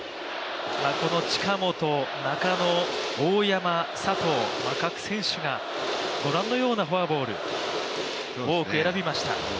近本、中野、大山、佐藤、各選手がご覧のようなフォアボールを選びました。